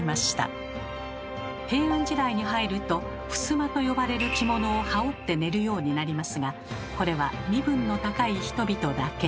平安時代に入ると「ふすま」と呼ばれる着物を羽織って寝るようになりますがこれは身分の高い人々だけ。